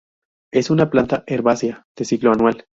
Es una planta herbácea de ciclo anual.